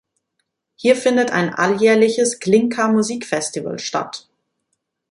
Hier findet ein alljährliches Glinka-Musikfestival statt.